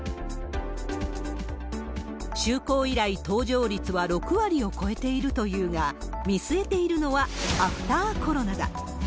就航以来、搭乗率は６割を超えているというが、見据えているのはアフターコロナだ。